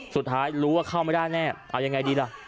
สุดท้ายรู้ว่าเข้าไม่ได้แน่เอายังไงดีล่ะ